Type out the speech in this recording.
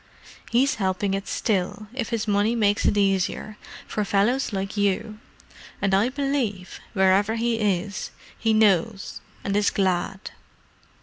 He's helping it still if his money makes it easier for fellows like you; and I believe, wherever he is, he knows and is glad."